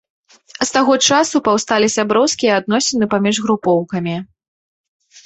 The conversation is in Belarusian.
З таго часу паўсталі сяброўскія адносіны паміж групоўкамі.